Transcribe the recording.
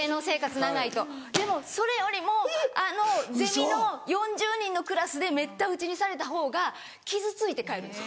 長いとでもそれよりもあのゼミの４０人のクラスでめった打ちにされたほうが傷ついて帰るんですよ。